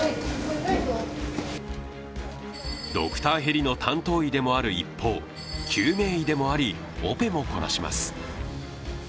ドクターヘリの担当医でもある一方、救命医でもありオペもこなします。